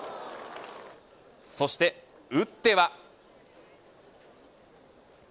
そして、打っては。